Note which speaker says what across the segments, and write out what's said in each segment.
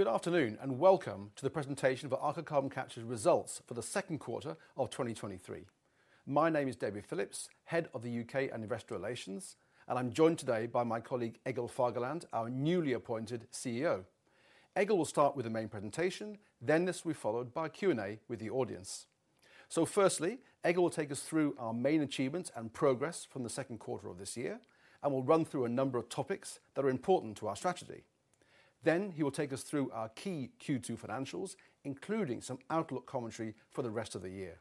Speaker 1: Good afternoon, and welcome to the presentation of Aker Carbon Capture's results for the second quarter of 2023. My name is David Phillips, Head of UK and Investor Relations, and I'm joined today by my colleague, Egil Fagerland, our newly appointed CEO. Egil will start with the main presentation. This will be followed by a Q&A with the audience. Firstly, Egil will take us through our main achievements and progress from the second quarter of this year, and we'll run through a number of topics that are important to our strategy. He will take us through our key Q2 financials, including some outlook commentary for the rest of the year.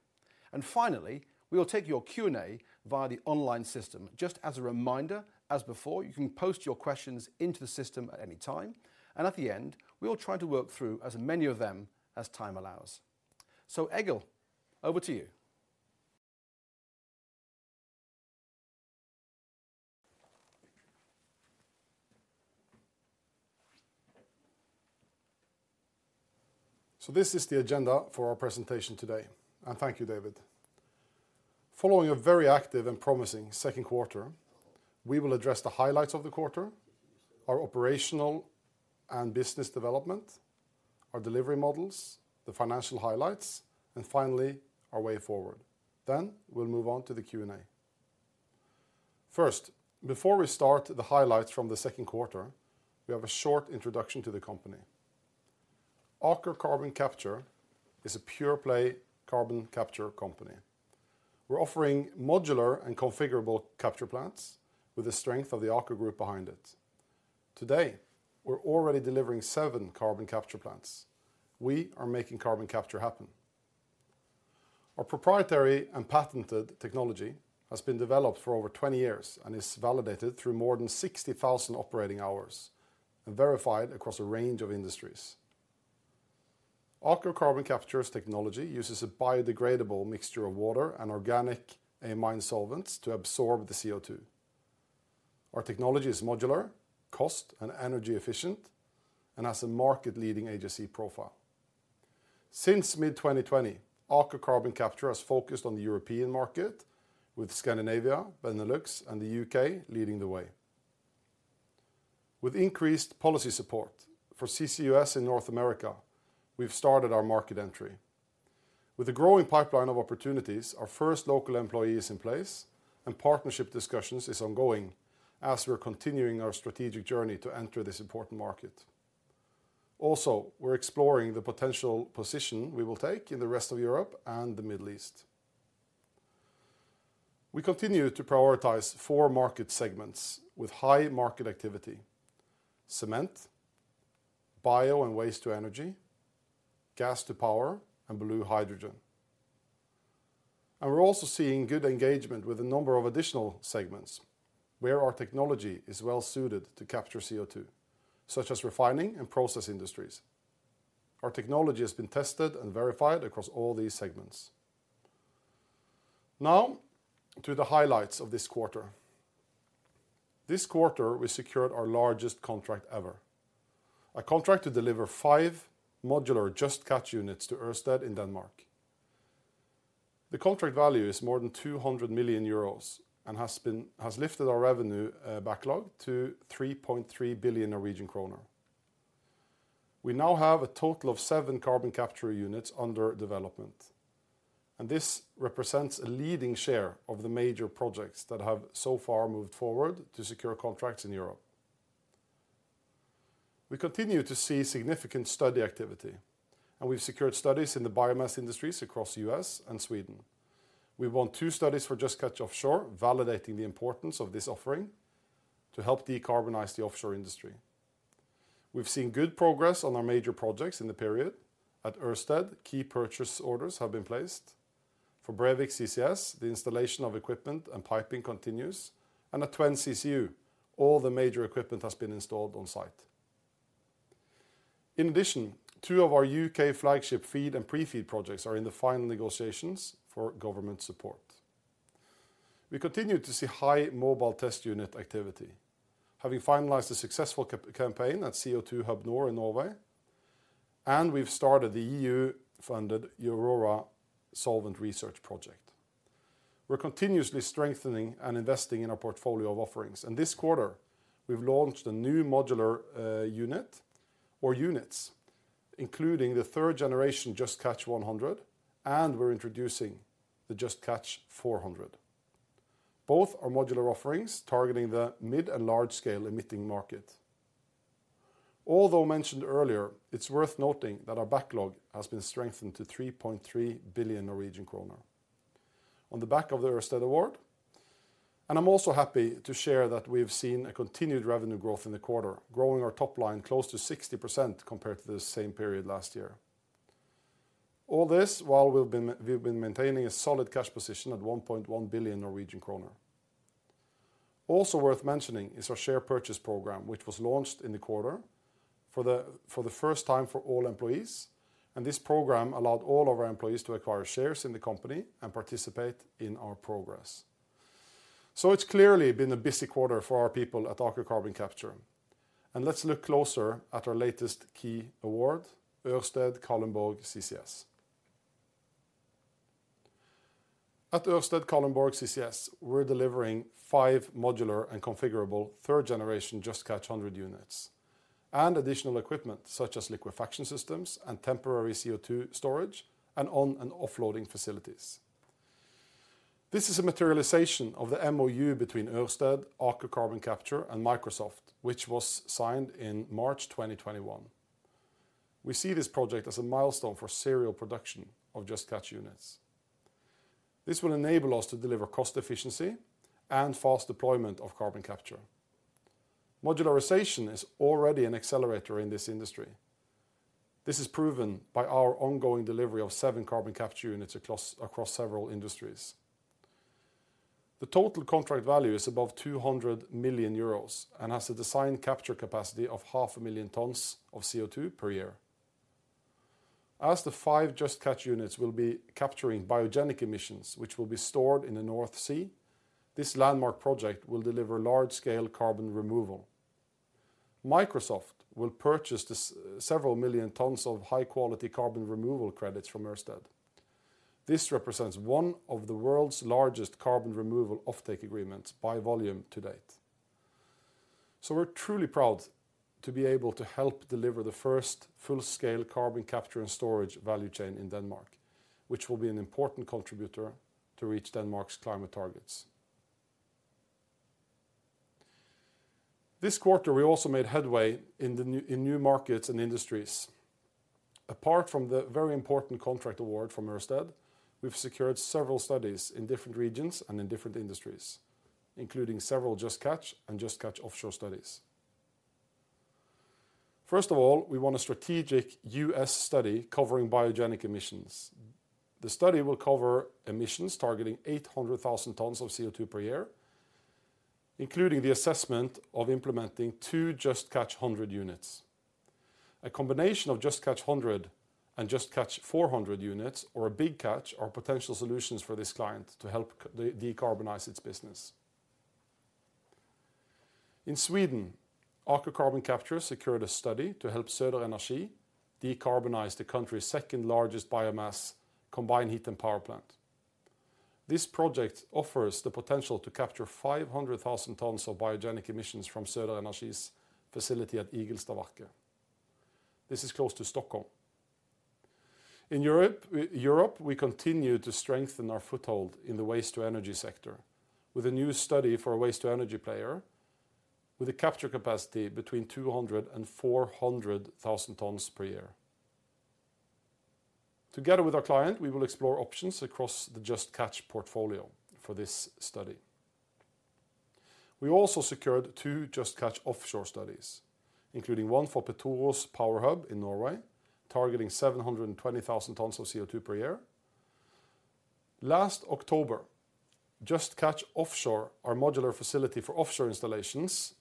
Speaker 1: Finally, we will take your Q&A via the online system. Just as a reminder, as before, you can post your questions into the system at any time, and at the end, we will try to work through as many of them as time allows. Egil, over to you.
Speaker 2: This is the agenda for our presentation today, and thank you, David. Following a very active and promising second quarter, we will address the highlights of the quarter, our operational and business development, our delivery models, the financial highlights, and finally, our way forward. We'll move on to the Q&A. First, before we start the highlights from the second quarter, we have a short introduction to the company. Aker Carbon Capture is a pure-play carbon capture company. We're offering modular and configurable capture plants with the strength of the Aker group behind it. Today, we're already delivering seven carbon capture plants. We are making carbon capture happen. Our proprietary and patented technology has been developed for over 20 years and is validated through more than 60,000 operating hours and verified across a range of industries. Aker Carbon Capture's technology uses a biodegradable mixture of water and organic amine solvents to absorb the CO2. Our technology is modular, cost and energy efficient, and has a market-leading HSE profile. Since mid-2020, Aker Carbon Capture has focused on the European market with Scandinavia, Benelux, and the U.K. leading the way. With increased policy support for CCUS in North America, we've started our market entry. With a growing pipeline of opportunities, our first local employee is in place, and partnership discussions is ongoing as we are continuing our strategic journey to enter this important market. We're exploring the potential position we will take in the rest of Europe and the Middle East. We continue to prioritize four market segments with high market activity: cement, bio and waste-to-energy, gas-to-power, and blue hydrogen. We're also seeing good engagement with a number of additional segments where our technology is well-suited to capture CO2, such as refining and process industries. Our technology has been tested and verified across all these segments. To the highlights of this quarter. This quarter, we secured our largest contract ever, a contract to deliver five modular Just Catch units to Ørsted in Denmark. The contract value is more than 200 million euros and has lifted our revenue backlog to 3.3 billion Norwegian kroner. We now have a total of seven carbon capture units under development, and this represents a leading share of the major projects that have so far moved forward to secure contracts in Europe. We continue to see significant study activity, and we've secured studies in the biomass industries across U.S. and Sweden. We've won two studies for Just Catch Offshore, validating the importance of this offering to help decarbonize the offshore industry. We've seen good progress on our major projects in the period. At Ørsted, key purchase orders have been placed. For Brevik CCS, the installation of equipment and piping continues, and at Twence CCS, all the major equipment has been installed on site. In addition, two of our UK flagship FEED and pre-FEED projects are in the final negotiations for government support. We continue to see high Mobile Test Unit activity, having finalized a successful campaign at CO2 HUB Nord in Norway, and we've started the EU-funded AURORA Solvent Research Project. We're continuously strengthening and investing in our portfolio of offerings, and this quarter, we've launched a new modular unit or units, including the third generation, Just Catch 100, and we're introducing the Just Catch 400. Both are modular offerings targeting the mid- and large-scale emitting market. Although mentioned earlier, it's worth noting that our backlog has been strengthened to 3.3 billion Norwegian krone. On the back of the Ørsted award, I'm also happy to share that we have seen a continued revenue growth in the quarter, growing our top line close to 60% compared to the same period last year. All this, while we've been maintaining a solid cash position at 1.1 billion Norwegian krone. Also worth mentioning is our share purchase program, which was launched in the quarter for the first time for all employees. This program allowed all of our employees to acquire shares in the company and participate in our progress. It's clearly been a busy quarter for our people at Aker Carbon Capture, and let's look closer at our latest key award, Ørsted Kalundborg CCS. At Ørsted Kalundborg CCS, we're delivering five modular and configurable third-generation Just Catch 100 units and additional equipment such as liquefaction systems and temporary CO2 storage, and on and offloading facilities. This is a materialization of the MOU between Ørsted, Aker Carbon Capture, and Microsoft, which was signed in March 2021. We see this project as a milestone for serial production of Just Catch units. This will enable us to deliver cost efficiency and fast deployment of carbon capture. Modularization is already an accelerator in this industry. This is proven by our ongoing delivery of seven carbon capture units across several industries. The total contract value is above 200 million euros and has a design capture capacity of 500,000 tons of CO2 per year. As the five Just Catch units will be capturing biogenic emissions, which will be stored in the North Sea, this landmark project will deliver large-scale carbon removal. Microsoft will purchase this several million tons of high-quality carbon removal credits from Ørsted. This represents one of the world's largest carbon removal offtake agreements by volume to date. We're truly proud to be able to help deliver the first full-scale carbon capture and storage value chain in Denmark, which will be an important contributor to reach Denmark's climate targets. This quarter, we also made headway in new markets and industries. Apart from the very important contract award from Ørsted, we've secured several studies in different regions and in different industries, including several Just Catch and Just Catch Offshore studies. First of all, we won a strategic U.S. study covering biogenic emissions. The study will cover emissions targeting 800,000 tons of CO2 per year, including the assessment of implementing two Just Catch 100 units. A combination of Just Catch 100 and Just Catch 400 units or a Big Catch are potential solutions for this client to help decarbonize its business. In Sweden, Aker Carbon Capture secured a study to help Söderenergi decarbonize the country's second-largest biomass combined heat and power plant. This project offers the potential to capture 500,000 tons of biogenic emissions from Söderenergi's facility at Igelstaverket. This is close to Stockholm. In Europe, we continue to strengthen our foothold in the waste-to-energy sector with a new study for a waste-to-energy player with a capture capacity between 200,000 and 400,000 tons per year. Together with our client, we will explore options across the Just Catch portfolio for this study. We also secured two Just Catch Offshore studies, including one for Petoro's Power Hub in Norway, targeting 720,000 tons of CO2 per year. Last October, Just Catch Offshore, our modular facility for offshore installations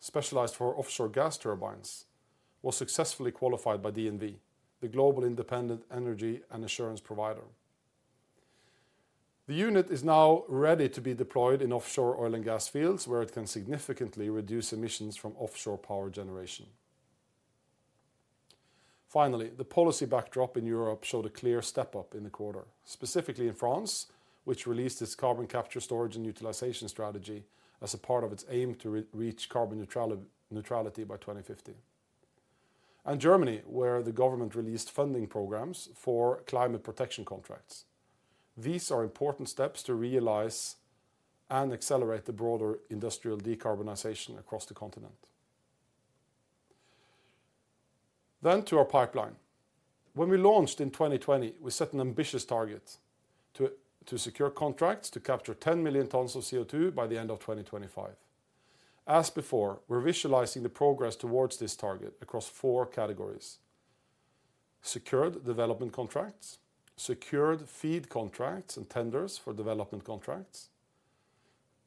Speaker 2: specialized for offshore gas turbines, was successfully qualified by DNV, the global independent energy and assurance provider. The unit is now ready to be deployed in offshore oil and gas fields, where it can significantly reduce emissions from offshore power generation. The policy backdrop in Europe showed a clear step up in the quarter, specifically in France, which released its carbon capture, storage, and utilization strategy as a part of its aim to reach carbon neutrality by 2050, and Germany, where the government released funding programs for Climate Protection Contracts. These are important steps to realize and accelerate the broader industrial decarbonization across the continent. To our pipeline. When we launched in 2020, we set an ambitious target to secure contracts to capture 10 million tons of CO2 by the end of 2025. As before, we're visualizing the progress towards this target across four categories: secured development contracts; secured FEED contracts and tenders for development contracts;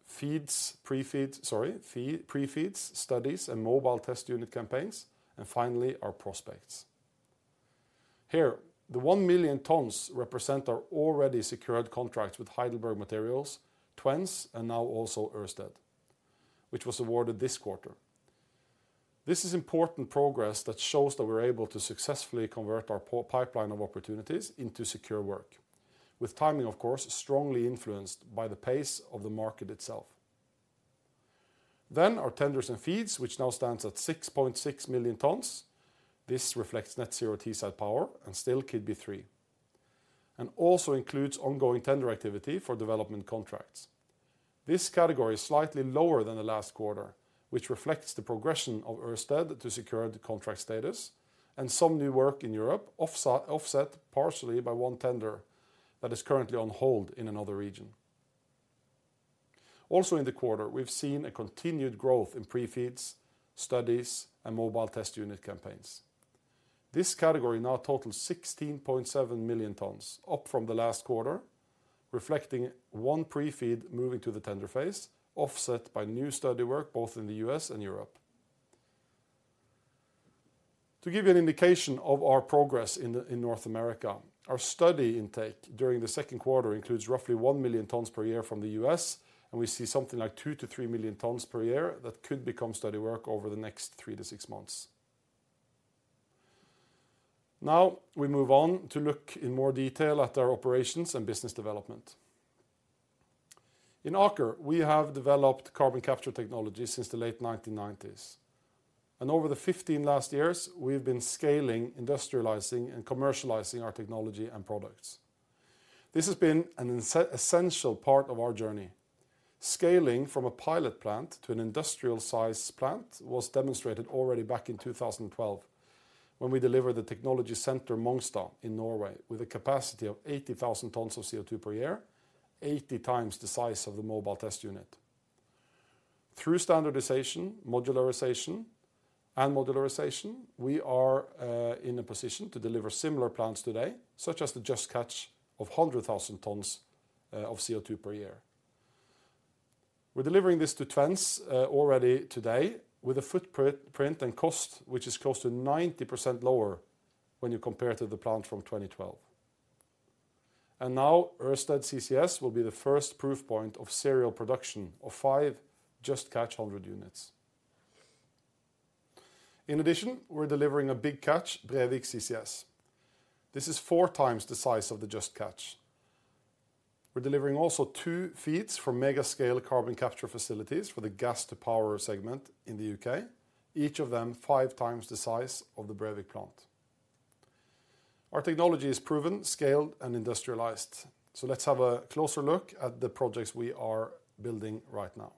Speaker 2: FEEDs, pre-FEEDs, studies, and Mobile Test Unit campaigns; and finally, our prospects. Here, the 1 million tons represent our already secured contracts with Heidelberg Materials, Twence, and now also Ørsted, which was awarded this quarter. This is important progress that shows that we're able to successfully convert our pipeline of opportunities into secure work, with timing, of course, strongly influenced by the pace of the market itself. Our tenders and FEEDs, which now stands at 6.6 million tons. This reflects Net Zero Teesside Power and still Keadby 3, and also includes ongoing tender activity for development contracts. This category is slightly lower than the last quarter, which reflects the progression of Ørsted to secure the contract status and some new work in Europe, offset partially by one tender that is currently on hold in another region. In the quarter, we've seen a continued growth in pre-FEEDs, studies, and Mobile Test Unit campaigns. This category now totals 16.7 million tons, up from the last quarter, reflecting 1 pre-FEED moving to the tender phase, offset by new study work both in the U.S. and Europe. To give you an indication of our progress in North America, our study intake during the second quarter includes roughly 1 million tons per year from the U.S., and we see something like 2-3 million tons per year that could become study work over the next three to six months. Now, we move on to look in more detail at our operations and business development. In Aker, we have developed carbon capture technology since the late 1990s, and over the 15 last years, we've been scaling, industrializing, and commercializing our technology and products. This has been an essential part of our journey. Scaling from a pilot plant to an industrial-sized plant was demonstrated already back in 2012, when we delivered the technology center Mongstad in Norway with a capacity of 80,000 tons of CO2 per year, 80 times the size of the Mobile Test Unit. Through standardization, modularization, and modularization, we are in a position to deliver similar plants today, such as the Just Catch of 100,000 tons of CO2 per year. We're delivering this to Twence already today with a footprint and cost, which is close to 90% lower when you compare to the plant from 2012. Now, Ørsted CCS will be the first proof point of serial production of five Just Catch 100 units. In addition, we're delivering a Big Catch Brevik CCS. This is four times the size of the Just Catch. We're delivering also two FEEDs for mega-scale carbon capture facilities for the gas to power segment in the U.K., each of them five times the size of the Brevik CCS. Our technology is proven, scaled, and industrialized. Let's have a closer look at the projects we are building right now.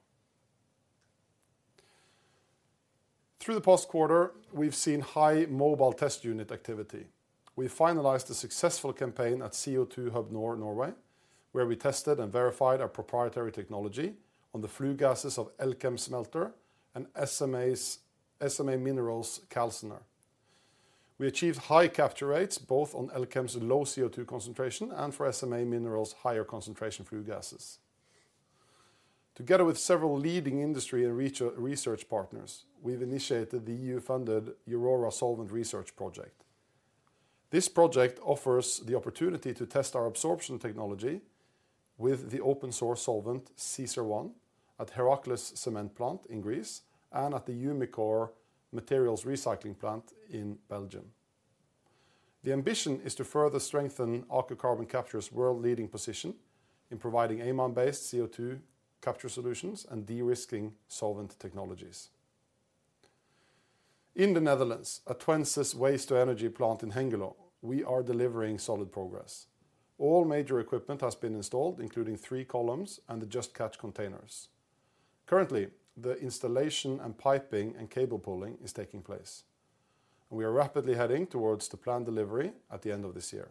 Speaker 2: Through the past quarter, we've seen high Mobile Test Unit activity. We finalized a successful campaign at CO2 HUB Nord, where we tested and verified our proprietary technology on the flue gases of Elkem Smelter and SMA Minerals calciners. We achieved high capture rates, both on Elkem's low CO2 concentration and for SMA Minerals higher concentration flue gases. Together with several leading industry and research partners, we've initiated the EU-funded AURORA project. This project offers the opportunity to test our absorption technology with the open-source solvent, CESAR1, at Heracles Cement plant in Greece and at the Umicore Materials Recycling plant in Belgium. The ambition is to further strengthen Aker Carbon Capture's world leading position in providing amine-based CO2 capture solutions and de-risking solvent technologies. In the Netherlands, at Twence's waste-to-energy plant in Hengelo, we are delivering solid progress. All major equipment has been installed, including three columns and the Just Catch containers. Currently, the installation and piping and cable pulling is taking place, we are rapidly heading towards the planned delivery at the end of this year.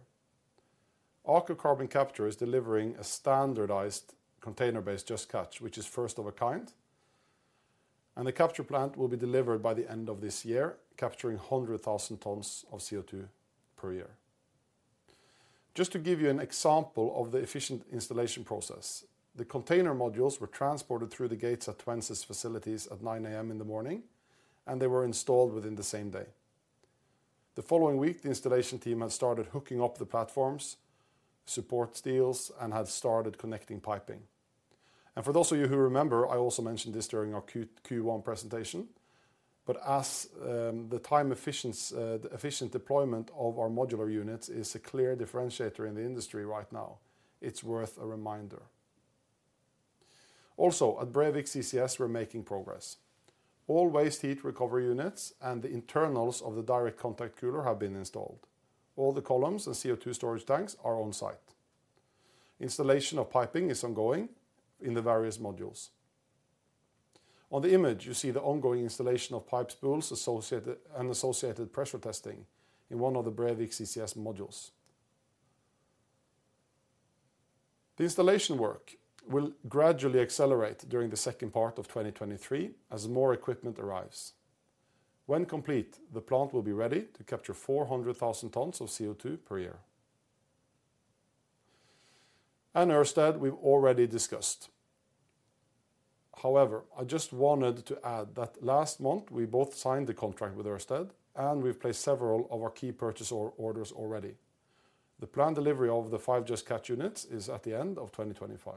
Speaker 2: Aker Carbon Capture is delivering a standardized container-based Just Catch, which is first of a kind, the capture plant will be delivered by the end of this year, capturing 100,000 tons of CO2 per year. Just to give you an example of the efficient installation process, the container modules were transported through the gates at Twence's facilities at 9:00 A.M., and they were installed within the same day. The following week, the installation team had started hooking up the platforms, support steels, and had started connecting piping. For those of you who remember, I also mentioned this during our Q1 presentation, but as the time efficient deployment of our modular units is a clear differentiator in the industry right now, it's worth a reminder. At Brevik CCS, we're making progress. All waste heat recovery units and the internals of the direct contact cooler have been installed. All the columns and CO2 storage tanks are on site. Installation of piping is ongoing in the various modules. On the image, you see the ongoing installation of pipe spools and associated pressure testing in one of the Brevik CCS modules. The installation work will gradually accelerate during the second part of 2023 as more equipment arrives. When complete, the plant will be ready to capture 400,000 tons of CO2 per year. Ørsted we've already discussed. However, I just wanted to add that last month, we both signed the contract with Ørsted, and we've placed several of our key purchase orders already. The planned delivery of the five Just Catch units is at the end of 2025.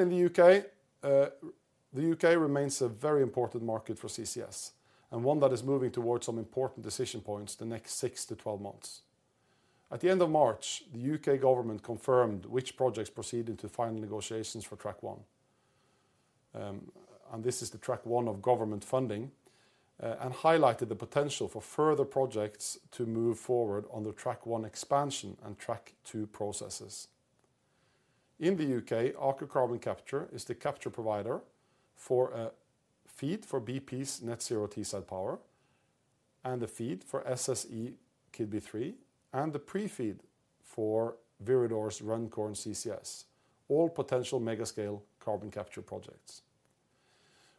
Speaker 2: In the U.K., the U.K. remains a very important market for CCS and one that is moving towards some important decision points the next six to 12 months. At the end of March, the UK government confirmed which projects proceeded to final negotiations for Track 1. This is the Track 1 of government funding and highlighted the potential for further projects to move forward on the Track 1 expansion and Track 2 processes. In the U.K., Aker Carbon Capture is the capture provider for a FEED for bp's Net Zero Teesside Power and a FEED for SSE Keadby 3, and the pre-FEED for Viridor's Runcorn CCS, all potential mega-scale carbon capture projects.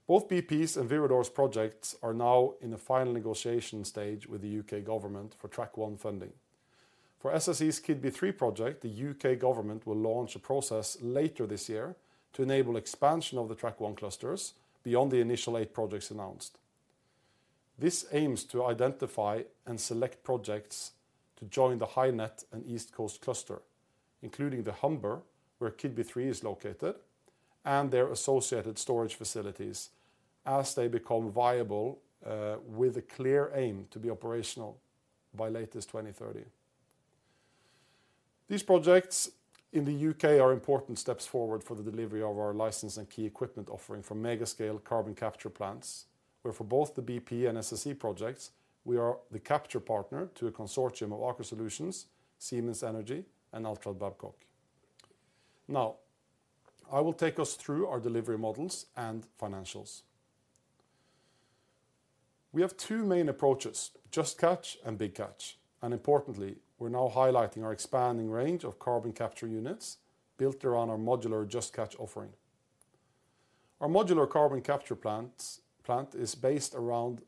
Speaker 2: Both bp's and Viridor's projects are now in the final negotiation stage with the UK government for Track 1 funding. For SSE's Keadby 3 project, the UK government will launch a process later this year to enable expansion of the Track 1 clusters beyond the initial eight projects announced. This aims to identify and select projects to join the HyNet and East Coast Cluster, including the Humber, where Keadby 3 is located, and their associated storage facilities as they become viable, with a clear aim to be operational by latest 2030. These projects in the U.K. are important steps forward for the delivery of our license and key equipment offering for mega scale carbon capture plants, where for both the bp and SSE projects, we are the capture partner to a consortium of Aker Solutions, Siemens Energy and Doosan Babcock. I will take us through our delivery models and financials. We have two main approaches, Just Catch and Big Catch. Importantly, we're now highlighting our expanding range of carbon capture units built around our modular Just Catch offering. Our modular carbon capture plant is based around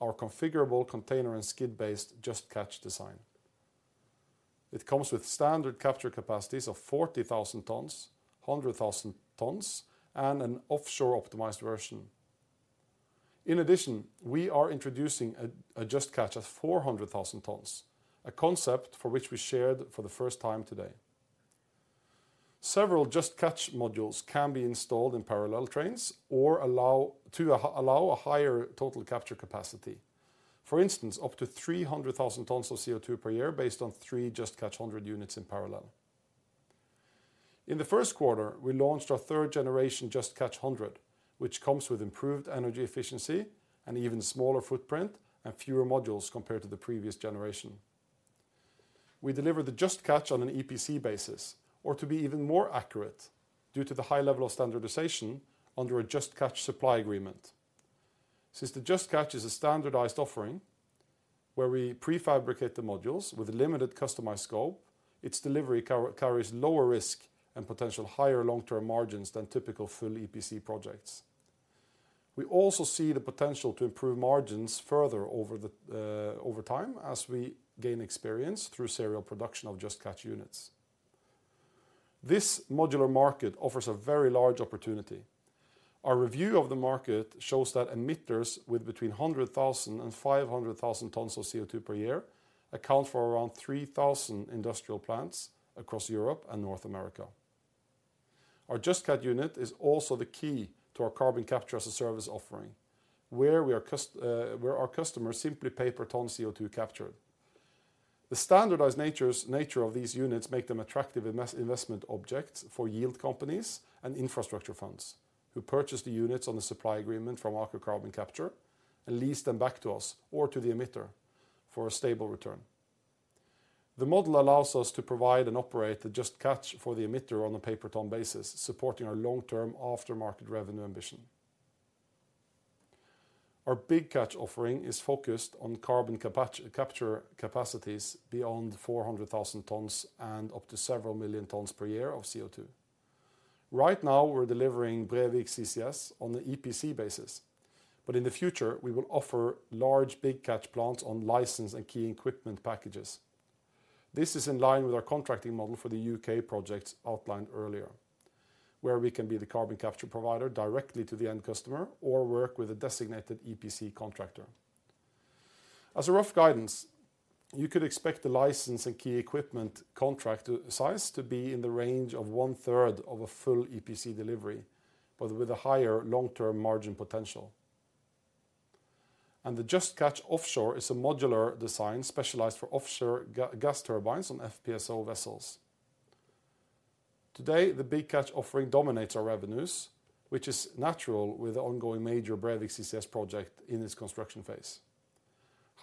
Speaker 2: our configurable container and skid-based Just Catch design. It comes with standard capture capacities of 40,000 tons, 100,000 tons, and an offshore optimized version. In addition, we are introducing a Just Catch of 400,000 tons, a concept for which we shared for the first time today. Several Just Catch modules can be installed in parallel trains or allow a higher total capture capacity. For instance, up to 300,000 tons of CO2 per year based on three Just Catch 100 units in parallel. In the first quarter, we launched our third generation Just Catch 100, which comes with improved energy efficiency and even smaller footprint and fewer modules compared to the previous generation. We deliver the Just Catch on an EPC basis, or to be even more accurate, due to the high level of standardization under a Just Catch supply agreement. Since the Just Catch is a standardized offering, where we prefabricate the modules with a limited customized scope, its delivery carries lower risk and potential higher long-term margins than typical full EPC projects. We also see the potential to improve margins further over the over time as we gain experience through serial production of Just Catch units. This modular market offers a very large opportunity. Our review of the market shows that emitters with between 100,000 and 500,000 tons of CO2 per year account for around 3,000 industrial plants across Europe and North America. Our Just Catch unit is also the key to our Carbon Capture as a Service offering, where we are where our customers simply pay per ton of CO2 captured. The standardized nature of these units make them attractive investment objects for yield companies and infrastructure funds, who purchase the units on a supply agreement from Aker Carbon Capture and lease them back to us or to the emitter for a stable return. The model allows us to provide and operate the Just Catch for the emitter on a pay-per-ton basis, supporting our long-term aftermarket revenue ambition. Our Big Catch offering is focused on carbon capture capacities beyond 400,000 tons and up to several million tons per year of CO2. Right now, we're delivering Brevik CCS on the EPC basis. In the future, we will offer large Big Catch plants on license and key equipment packages. This is in line with our contracting model for the UK projects outlined earlier, where we can be the carbon capture provider directly to the end customer or work with a designated EPC contractor. As a rough guidance, you could expect the license and key equipment contract size to be in the range of one-third of a full EPC delivery, with a higher long-term margin potential. The Just Catch Offshore is a modular design specialized for offshore gas turbines on FPSO vessels. Today, the Big Catch offering dominates our revenues, which is natural with the ongoing major Brevik CCS project in this construction phase.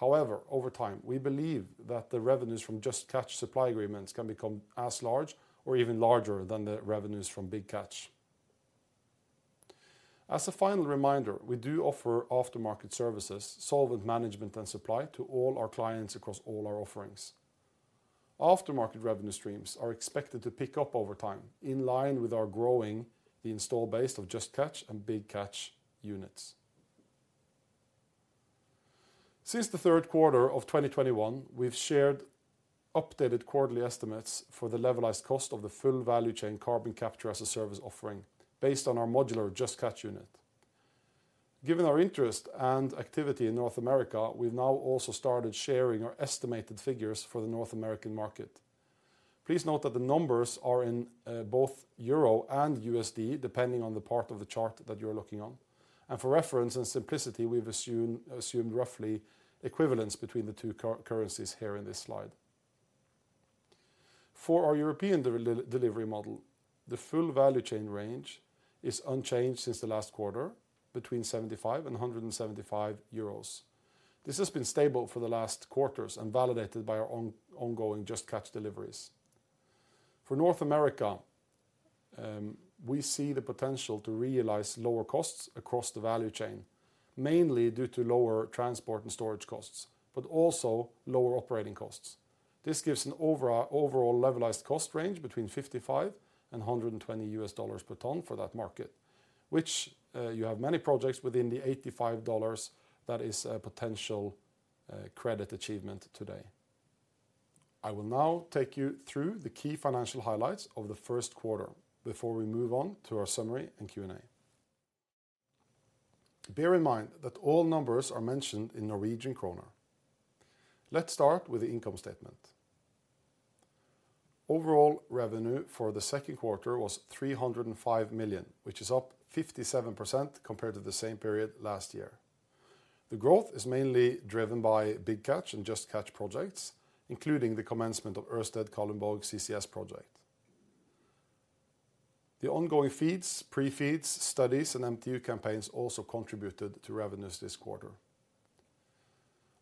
Speaker 2: Over time, we believe that the revenues from Just Catch supply agreements can become as large or even larger than the revenues from Big Catch. As a final reminder, we do offer aftermarket services, solvent management, and supply to all our clients across all our offerings. Aftermarket revenue streams are expected to pick up over time, in line with our growing the install base of Just Catch and Big Catch units. Since the third quarter of 2021, we've shared updated quarterly estimates for the levelized cost of the full value chain Carbon Capture as a Service offering based on our modular Just Catch unit. Given our interest and activity in North America, we've now also started sharing our estimated figures for the North American market. Please note that the numbers are in both euro and USD, depending on the part of the chart that you're looking on. For reference and simplicity, we've assumed roughly equivalence between the two currencies here in this slide. For our European delivery model, the full value chain range is unchanged since the last quarter, between 75 and 175 euros. This has been stable for the last quarters and validated by our ongoing Just Catch deliveries. For North America, we see the potential to realize lower costs across the value chain, mainly due to lower transport and storage costs, but also lower operating costs. This gives an overall levelized cost range between $55 and $120 per ton for that market, which you have many projects within the $85 that is a potential credit achievement today. I will now take you through the key financial highlights of the first quarter before we move on to our summary and Q&A. Bear in mind that all numbers are mentioned in Norwegian kroner. Let's start with the income statement. Overall revenue for the second quarter was 305 million, which is up 57% compared to the same period last year. The growth is mainly driven by Big Catch and Just Catch projects, including the commencement of Ørsted Kalundborg CCS project. The ongoing FEEDs, pre-FEEDs, studies, and MTU campaigns also contributed to revenues this quarter.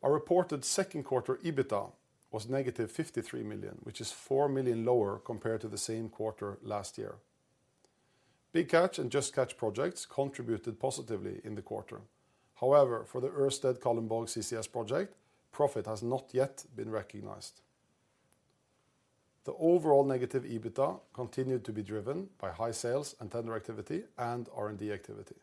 Speaker 2: Our reported second quarter EBITDA was negative 53 million, which is 4 million lower compared to the same quarter last year. Big Catch and Just Catch projects contributed positively in the quarter. However, for the Ørsted Kalundborg CCS project, profit has not yet been recognized. The overall negative EBITDA continued to be driven by high sales and tender activity and R&D activity.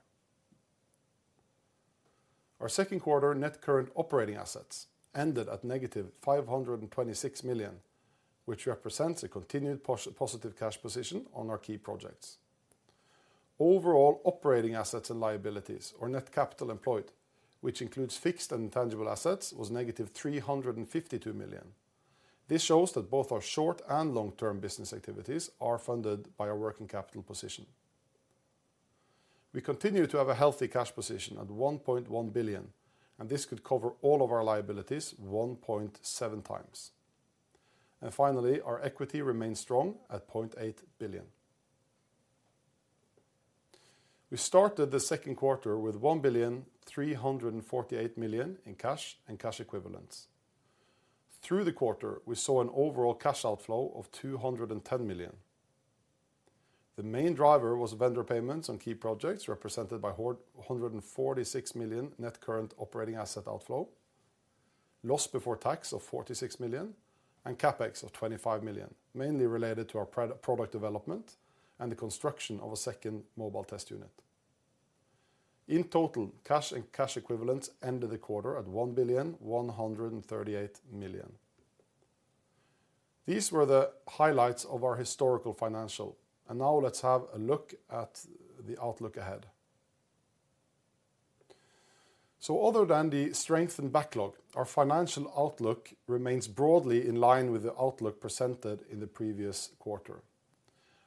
Speaker 2: Our second quarter net current operating assets ended at negative 526 million, which represents a continued positive cash position on our key projects. Overall, operating assets and liabilities, or net capital employed, which includes fixed and intangible assets, was negative 352 million. This shows that both our short and long-term business activities are funded by our working capital position. We continue to have a healthy cash position at 1.1 billion, and this could cover all of our liabilities 1.7x. Finally, our equity remains strong at 0.8 billion. We started the second quarter with 1,348 million in cash and cash equivalents. Through the quarter, we saw an overall cash outflow of 210 million. The main driver was vendor payments on key projects, represented by 146 million net current operating asset outflow, loss before tax of 46 million, and CapEx of 25 million, mainly related to our product development and the construction of a second Mobile Test Unit. In total, cash and cash equivalents ended the quarter at 1.138 billion. These were the highlights of our historical financial. Now let's have a look at the outlook ahead. Other than the strength in backlog, our financial outlook remains broadly in line with the outlook presented in the previous quarter.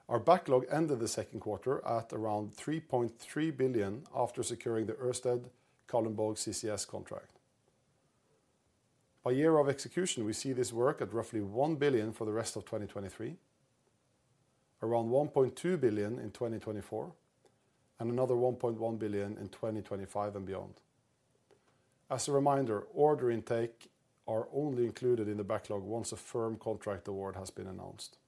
Speaker 2: Our backlog ended the second quarter at around 3.3 billion after securing the Ørsted Kalundborg CCS contract. By year of execution, we see this work at roughly 1 billion for the rest of 2023, around 1.2 billion in 2024, and another 1.1 billion in 2025 and beyond. As a reminder, order intake are only included in the backlog once a firm contract award has been announced.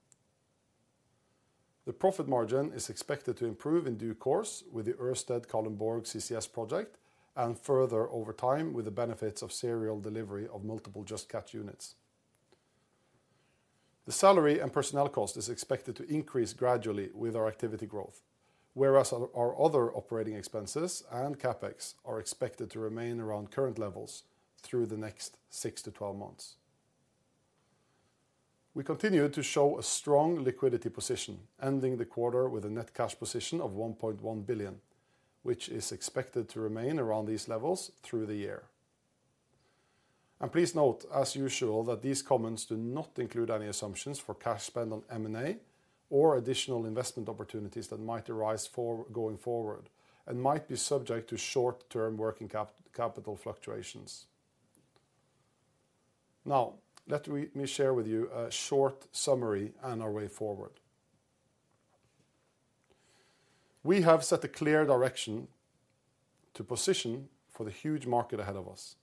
Speaker 2: The profit margin is expected to improve in due course with the Ørsted Kalundborg CCS project and further over time with the benefits of serial delivery of multiple Just Catch units. The salary and personnel cost is expected to increase gradually with our activity growth, whereas our other operating expenses and CapEx are expected to remain around current levels through the next six to 12 months. We continue to show a strong liquidity position, ending the quarter with a net cash position of 1.1 billion, which is expected to remain around these levels through the year. Please note, as usual, that these comments do not include any assumptions for cash spent on M&A or additional investment opportunities that might arise going forward and might be subject to short-term working capital fluctuations. Let me share with you a short summary on our way forward. We have set a clear direction to position for the huge market ahead of us.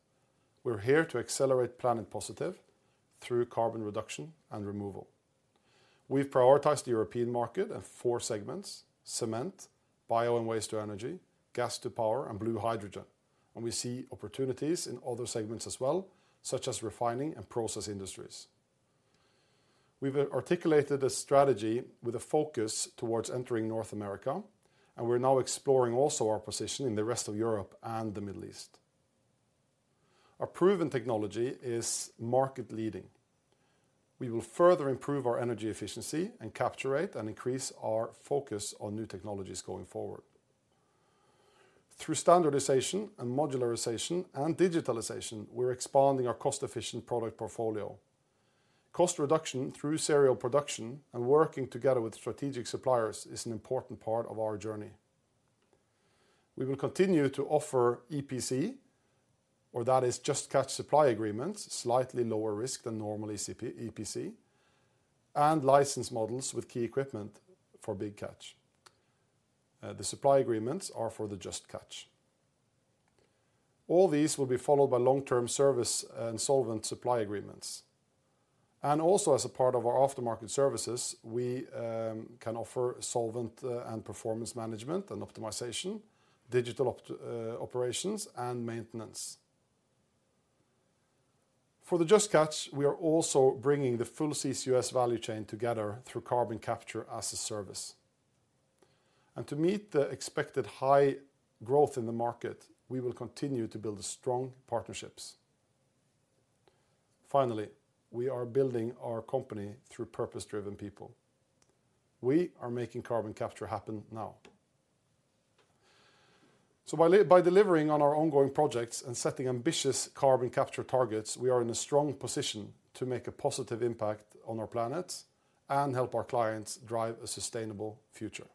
Speaker 2: We're here to accelerate planet positive through carbon reduction and removal. We've prioritized the European market and four segments: cement, bio and waste to energy, gas to power, and blue hydrogen. We see opportunities in other segments as well, such as refining and process industries. We've articulated a strategy with a focus towards entering North America. We're now exploring also our position in the rest of Europe and the Middle East. Our proven technology is market leading. We will further improve our energy efficiency and capture rate and increase our focus on new technologies going forward. Through standardization and modularization and digitalization, we're expanding our cost-efficient product portfolio. Cost reduction through serial production and working together with strategic suppliers is an important part of our journey. We will continue to offer EPC, or that is Just Catch supply agreements, slightly lower risk than normal EPC, and license models with key equipment for Big Catch. The supply agreements are for the Just Catch. All these will be followed by long-term service and solvent supply agreements. Also, as a part of our aftermarket services, we can offer solvent and performance management and optimization, digital operations, and maintenance. For the Just Catch, we are also bringing the full CCUS value chain together through Carbon Capture as a Service. To meet the expected high growth in the market, we will continue to build strong partnerships. Finally, we are building our company through purpose-driven people. We are making carbon capture happen now. By delivering on our ongoing projects and setting ambitious carbon capture targets, we are in a strong position to make a positive impact on our planet and help our clients drive a sustainable future.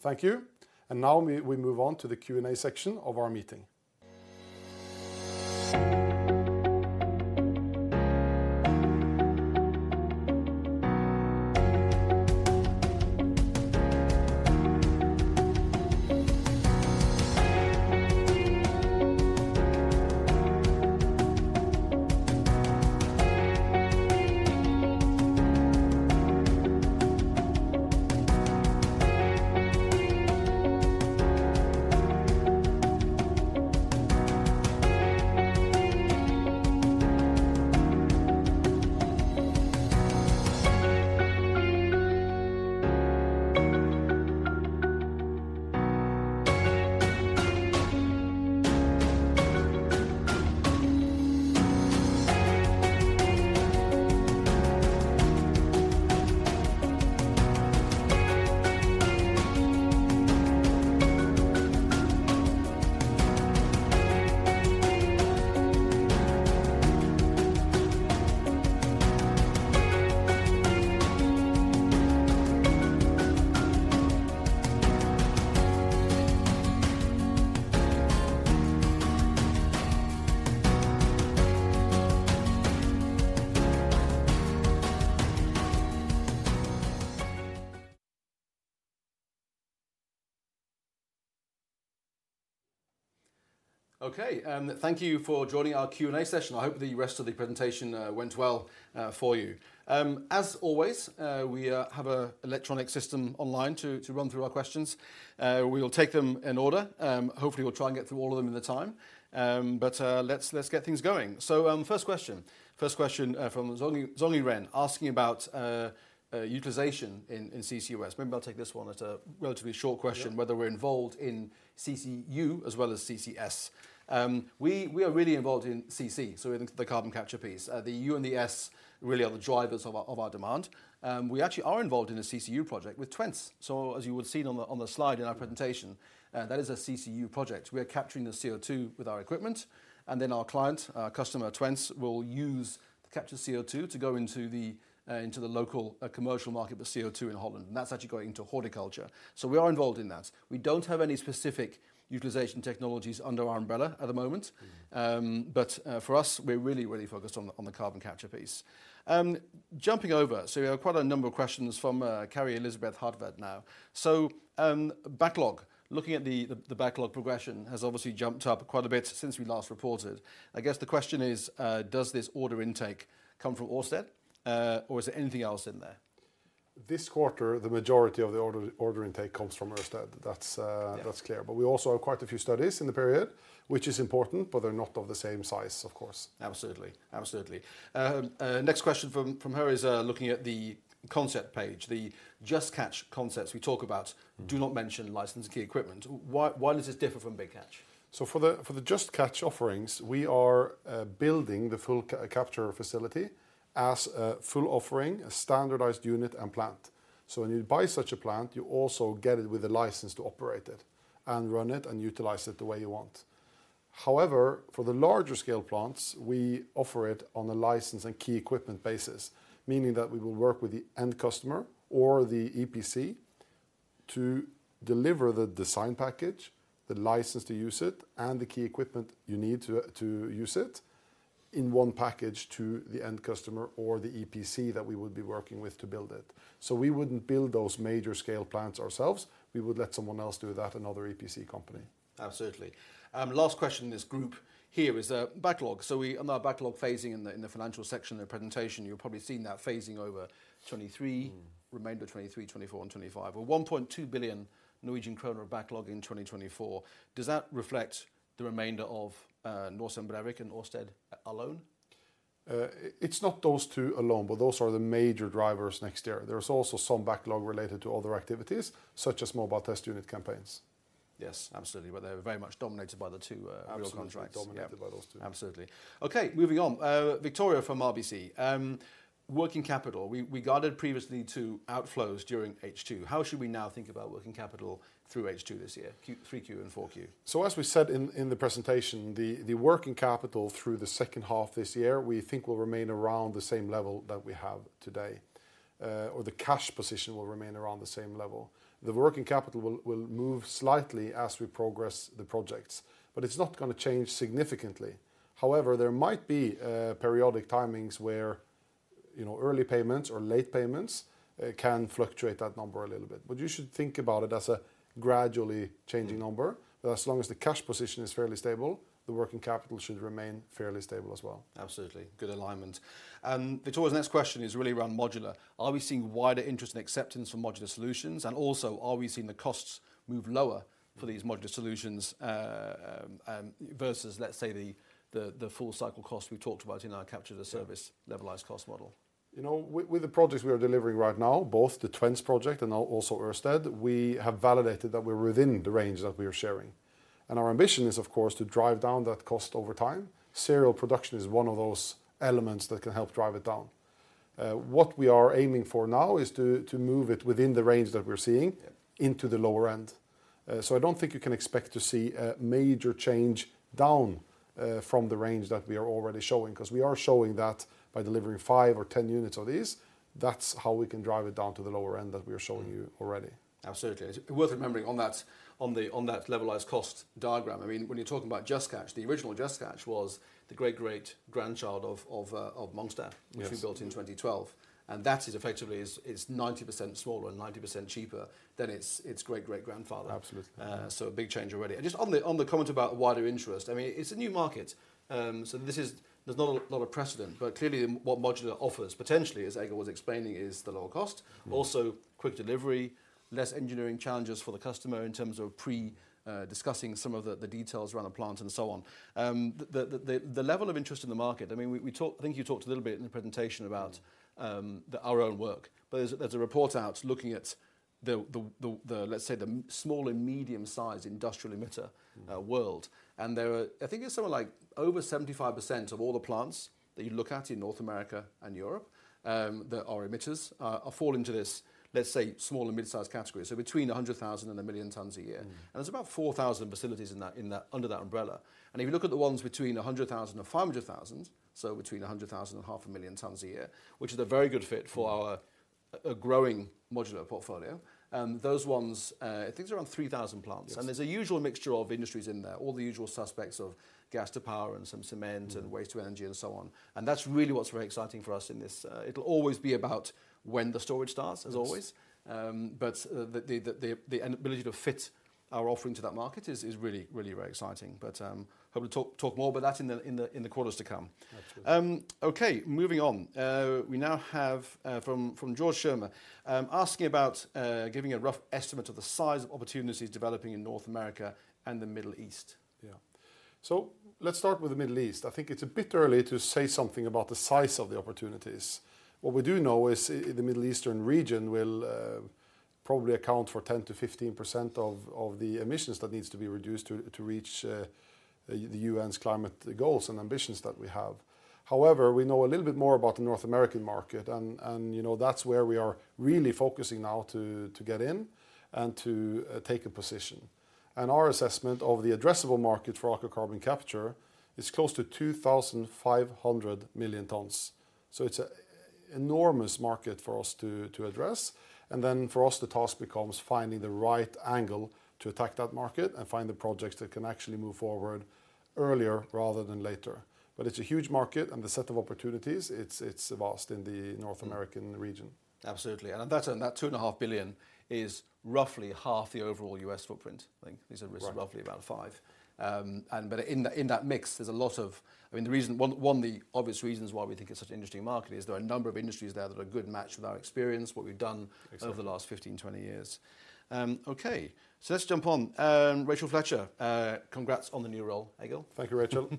Speaker 2: Thank you. Now we move on to the Q&A section of our meeting.
Speaker 1: Okay, thank you for joining our Q&A session. I hope the rest of the presentation went well for you. As always, we have a electronic system online to run through our questions. We will take them in order. Hopefully, we'll try and get through all of them in the time. Let's get things going. First question, from Zong-Zong Ren, asking about utilization in CCUS. Maybe I'll take this one. It's a relatively short question.
Speaker 2: Yeah
Speaker 1: Whether we're involved in CCU as well as CCS. We are really involved in CC, so in the carbon capture piece. The U and the S really are the drivers of our, of our demand. We actually are involved in a CCU project with Twence. As you would've seen on the slide in our presentation, that is a CCU project. We are capturing the CO2 with our equipment, and then our client, our customer, Twence, will use the captured CO2 to go into the local commercial market for CO2 in Holland, and that's actually going into horticulture. We are involved in that. We don't have any specific utilization technologies under our umbrella at the moment. For us, we're really focused on the carbon capture piece. Jumping over, we have quite a number of questions from Carrie Elizabeth Hartford now. Backlog. Looking at the backlog progression has obviously jumped up quite a bit since we last reported. I guess the question is: Does this order intake come from Ørsted, or is there anything else in there?
Speaker 2: This quarter, the majority of the order intake comes from Ørsted. That's.
Speaker 1: Yeah
Speaker 2: That's clear. We also have quite a few studies in the period, which is important, but they're not of the same size, of course.
Speaker 1: Absolutely. Next question from her is looking at the concept page. The Just Catch concepts.
Speaker 2: Mm
Speaker 1: do not mention license key equipment. Why does this differ from Big Catch?
Speaker 2: For the, for the Just Catch offerings, we are building the full capture facility as a full offering, a standardized unit, and plant. When you buy such a plant, you also get it with a license to operate it, and run it, and utilize it the way you want. For the larger scale plants, we offer it on a license and key equipment basis, meaning that we will work with the end customer or the EPC to deliver the design package, the license to use it, and the key equipment you need to use it in one package to the end customer or the EPC that we would be working with to build it. We wouldn't build those major scale plants ourselves. We would let someone else do that, another EPC company.
Speaker 1: Absolutely. Last question in this group here is backlog. On our backlog phasing in the financial section of the presentation, you've probably seen that phasing over 2023-
Speaker 2: Mm
Speaker 1: remainder 2023, 2024, and 2025, or $1.2 billion Norwegian kroner of backlog in 2024. Does that reflect the remainder of Norcem Brevik and Ørsted alone?
Speaker 2: It's not those two alone, but those are the major drivers next year. There is also some backlog related to other activities, such as Mobile Test Unit campaigns.
Speaker 1: Yes, absolutely, but they are very much dominated by the two, real contracts.
Speaker 2: Absolutely, dominated by those two.
Speaker 1: Absolutely. Okay, moving on, Victoria from RBC, working capital, we guided previously to outflows during H2. How should we now think about working capital through H2 this year, 3Q and 4Q?
Speaker 2: As we said in the presentation, the working capital through the second half this year, we think will remain around the same level that we have today, or the cash position will remain around the same level. The working capital will move slightly as we progress the projects, but it's not gonna change significantly. However, there might be periodic timings where, you know, early payments or late payments can fluctuate that number a little bit. You should think about it as a gradually changing...
Speaker 1: Mm
Speaker 2: number. As long as the cash position is fairly stable, the working capital should remain fairly stable as well.
Speaker 1: Absolutely. Good alignment. Victoria's next question is really around modular: Are we seeing wider interest and acceptance for modular solutions, and also, are we seeing the costs move lower for these modular solutions, versus, let's say, the full cycle cost we talked about in our capture to service.
Speaker 2: Yeah
Speaker 1: levelized cost model?
Speaker 2: You know, with the projects we are delivering right now, both the Twence project and now also Ørsted, we have validated that we're within the range that we are sharing. Our ambition is, of course, to drive down that cost over time. Serial production is one of those elements that can help drive it down. What we are aiming for now is to move it within the range that we're seeing.
Speaker 1: Yeah
Speaker 2: into the lower end. I don't think you can expect to see a major change down from the range that we are already showing, 'cause we are showing that by delivering five or 10 units of these, that's how we can drive it down to the lower end that we are showing you already.
Speaker 1: Absolutely. It's worth remembering on that levelized cost diagram, I mean, when you're talking about Just Catch, the original Just Catch was the great-great-grandchild of Mongstad.
Speaker 2: Yes
Speaker 1: which we built in 2012, and that is effectively is 90% smaller and 90% cheaper than its great-great-grandfather.
Speaker 2: Absolutely.
Speaker 1: A big change already. Just on the, on the comment about wider interest, I mean, it's a new market. There's not a lot of precedent, but clearly, what modular offers potentially, as Egil was explaining, is the lower cost.
Speaker 2: Mm.
Speaker 1: Quick delivery, less engineering challenges for the customer in terms of pre-, discussing some of the details around the plant, and so on. The level of interest in the market, I mean, we talked... I think you talked a little bit in the presentation about the, our own work. There's a report out looking at the, let's say, the small and medium-sized industrial emitter-.
Speaker 2: Mm
Speaker 1: world. There are, I think it's something like over 75% of all the plants that you look at in North America and Europe, that are emitters, fall into this, let's say, small and mid-sized category, so between 100,000 and 1 million tonnes a year.
Speaker 2: Mm.
Speaker 1: There's about 4,000 facilities in that, under that umbrella. If you look at the ones between 100,000 and 500,000, so between 100,000 and half a million tons a year, which is a very good fit for our, a growing modular portfolio, those ones, I think there are around 3,000 plants.
Speaker 2: Yes.
Speaker 1: There's a usual mixture of industries in there, all the usual suspects of gas to power, and some cement...
Speaker 2: Mm
Speaker 1: and waste to energy, and so on. That's really what's very exciting for us in this. It'll always be about when the storage starts, as always.
Speaker 2: Yes.
Speaker 1: Ability to fit our offering to that market is really, really very exciting. Hope to talk more about that in the quarters to come.
Speaker 2: Absolutely.
Speaker 1: Okay, moving on. We now have from George Schermer asking about giving a rough estimate of the size of opportunities developing in North America and the Middle East.
Speaker 2: Yeah. Let's start with the Middle East. I think it's a bit early to say something about the size of the opportunities. What we do know is, the Middle Eastern region will probably account for 10%-15% of the emissions that needs to be reduced to reach the UN's climate goals and ambitions that we have. However, we know a little bit more about the North American market, and, you know, that's where we are really focusing now to get in and to take a position. Our assessment of the addressable market for Aker Carbon Capture is close to 2,500 million tonnes. It's a enormous market for us to address, and then for us, the task becomes finding the right angle to attack that market and find the projects that can actually move forward earlier rather than later. It's a huge market, and the set of opportunities, it's vast in the North American region.
Speaker 1: Absolutely, at that end, that $2.5 billion is roughly half the overall U.S. footprint.
Speaker 2: Right
Speaker 1: it's roughly about five. and but in that, in that mix, I mean, the reason, one, the obvious reasons why we think it's such an interesting market is there are a number of industries there that are a good match with our experience, what we've done...
Speaker 2: Exactly
Speaker 1: over the last 15, 20 years. Okay, let's jump on. Rachel Fletcher, congrats on the new role, Egil.
Speaker 2: Thank you, Rachel.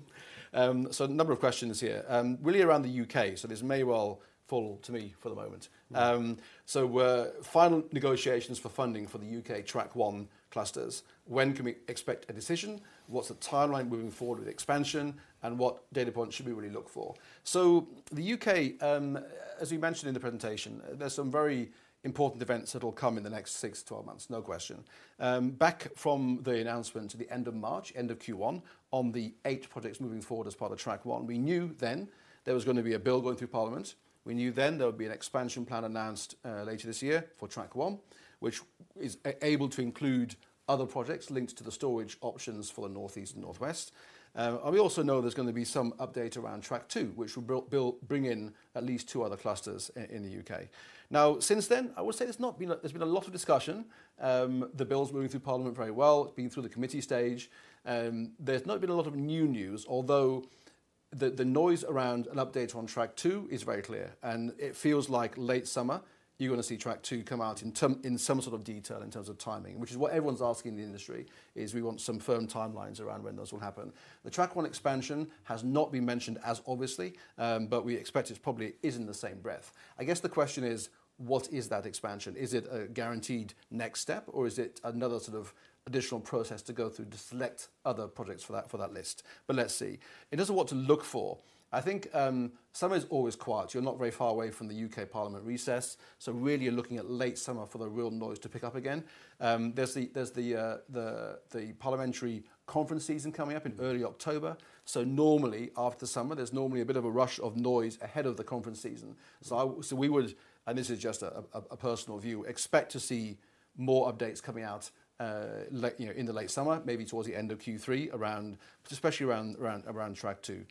Speaker 1: A number of questions here, really around the U.K., this may well fall to me for the moment.
Speaker 2: Mm.
Speaker 1: Final negotiations for funding for the U.K. Track 1 clusters, when can we expect a decision? What's the timeline moving forward with expansion, and what data points should we really look for? The U.K., as we mentioned in the presentation, there's some very important events that will come in the next six to 12 months, no question. Back from the announcement at the end of March, end of Q1, on the eight projects moving forward as part of Track 1, we knew then there was gonna be a bill going through Parliament. We knew then there would be an expansion plan announced later this year for Track 1, which is able to include other projects linked to the storage options for the northeast and northwest. We also know there's gonna be some update around Track 2, which will bring in at least two other clusters in the U.K. Since then, I would say there's been a lot of discussion. The bill's moving through Parliament very well. It's been through the committee stage, there's not been a lot of new news, although the noise around an update on Track 2 is very clear, and it feels like late summer, you're gonna see Track 2 come out in some sort of detail in terms of timing, which is what everyone's asking in the industry, is we want some firm timelines around when those will happen. The Track 1 expansion has not been mentioned as obviously, but we expect it probably is in the same breath. I guess the question is: What is that expansion? Is it a guaranteed next step, or is it another sort of additional process to go through to select other projects for that list? Let's see. In terms of what to look for, I think, summer is always quiet. You're not very far away from the UK Parliament recess, so really, you're looking at late summer for the real noise to pick up again. There's the parliamentary conference season coming up.
Speaker 2: Mm
Speaker 1: in early October. Normally, after summer, there's normally a bit of a rush of noise ahead of the conference season. We would, and this is just a personal view, expect to see more updates coming out, like, you know, in the late summer, maybe towards the end of Q3, around, especially around Track 2.